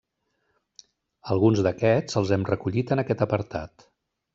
Alguns d'aquests els hem recollit en aquest apartat.